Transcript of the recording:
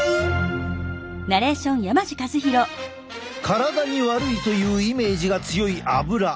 体に悪いというイメージが強いアブラ。